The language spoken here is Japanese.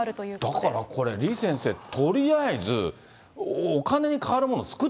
だから、これ、李先生、とりあえずお金に代わるもの作っ